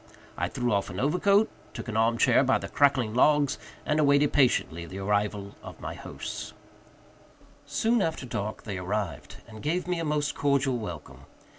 I threw off an overcoat, took an arm chair by the crackling logs, and awaited patiently the arrival of my hosts. Soon after dark they arrived, and gave me a most cordial welcome.